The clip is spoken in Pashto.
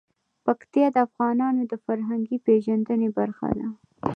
پکتیا د افغانانو د فرهنګي پیژندنې برخه ده.